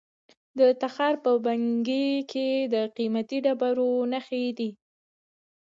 د تخار په بنګي کې د قیمتي ډبرو نښې دي.